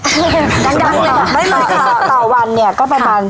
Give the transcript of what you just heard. ต่อวันเนี่ยก็ประมาณ